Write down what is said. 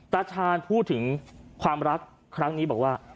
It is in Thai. ตาชาญพูดถึงความรักครั้งนี้บอกว่า